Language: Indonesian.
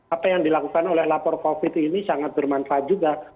apa yang dilakukan oleh lapor covid ini sangat bermanfaat juga